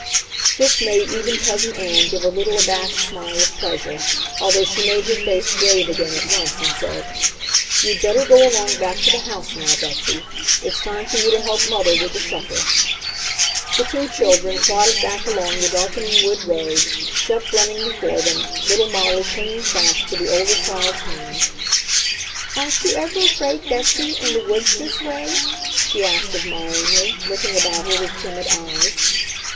This made even Cousin Ann give a little abashed smile of pleasure, although she made her face grave again at once and said: "You'd better go along back to the house now, Betsy. It's time for you to help Mother with the supper." The two children trotted back along the darkening wood road, Shep running before them, little Molly clinging fast to the older child's hand. "Aren't you ever afraid, Betsy, in the woods this way?" she asked admiringly, looking about her with timid eyes.